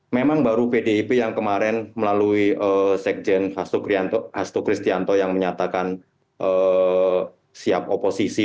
memang baru pdip yang kemarin melalui sekjen hasto kristianto yang menyatakan siap oposisi